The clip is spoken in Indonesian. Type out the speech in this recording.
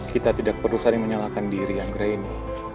kita tidak perlu saling menyalahkan diri anggra ini